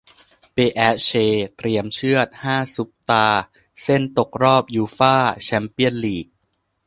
เปแอสเช เตรียมเชือด ห้า ซุปตาร์ เซ่นตกรอบยูฟ่า แชมเปี้ยนส์ ลีก